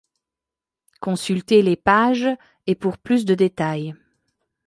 Consultez les pages et pour plus de détails.